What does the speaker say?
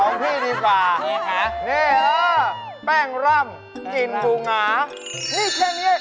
พี่ดีกว่านี่เออแป้งร่ำกลิ่นปูหงานี่แค่นี้